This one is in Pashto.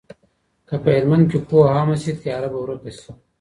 که په هلمند کي پوهه عامه شي، تیاره به ورک شي.